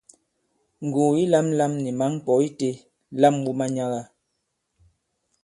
Ngùgù yi lāmlām ni mǎŋ ŋkwɔ̌ itē, lam wu manyaga!